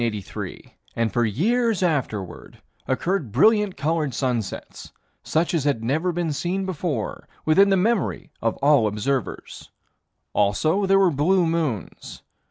2 In the autumn of 1883, and for years afterward, occurred brilliant colored sunsets, such as had never been seen before within the memory of all observers. Also there were blue moons.